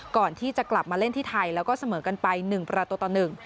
ก่อนที่จะกลับมาเล่นที่ไทยแล้วก็เสมอกันไป๑ประตูต่อหนึ่ง